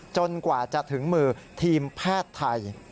กว่าจะถึงมือทีมแพทย์ไทย